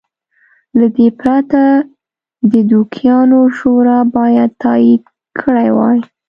له دې پرته د دوکیانو شورا باید تایید کړی وای.